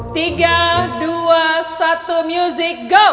tiga dua satu music goal